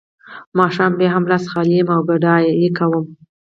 ماښام بیا هم لاس خالي یم او ګدايي کوم